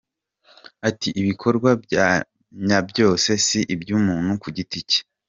Ati “Ibikorwa bya nyabyo si iby’umuntu ku giti cye.